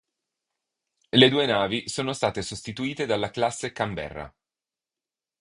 Le due navi sono state sostituite dalla classe Canberra.